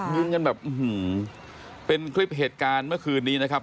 ยืนยังแบบอื้อหือเป็นคลิปเหตุการณ์เมื่อคืนนี้นะครับ